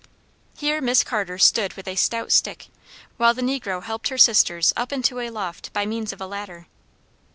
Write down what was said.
Here Miss Carter stood with a stout stick, while the negro helped her sisters up into a loft by means of a ladder.